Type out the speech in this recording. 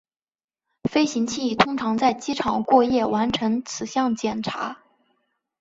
飞行器通常在机场过夜完成此项检查。